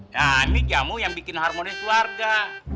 nah ini jamu yang bikin harmonis keluarga